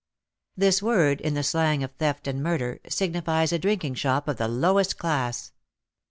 This word, in the slang of theft and murder, signifies a drinking shop of the lowest class.